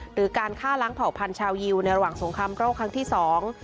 หรือการฆ่าล้างเผ่าพันธยิวในระหว่างสงครามโรคครั้งที่สอง